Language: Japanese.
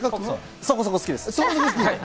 そこそこ好きです。